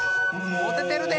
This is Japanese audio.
もててるで！